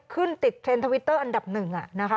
ขึ้นติดเทรนด์ทวิตเตอร์อันดับหนึ่งนะคะ